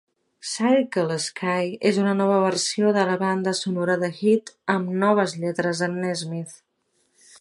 "Circle Sky" és una nova versió de la banda sonora de "Head", amb noves lletres de Nesmith.